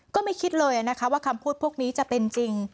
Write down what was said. ก็ไม่คิดเลยนะคะว่าคำพูดพวกนี้จะเป็นจริง